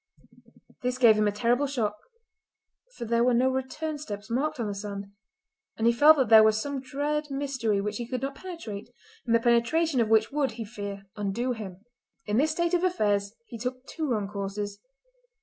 This gave him a terrible shock, for there were no return steps marked on the sand, and he felt that there was some dread mystery which he could not penetrate, and the penetration of which would, he feared, undo him. In this state of affairs he took two wrong courses.